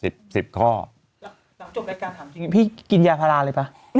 หลังจบรายการถามจริงพี่กินยาพาราเลยป่ะ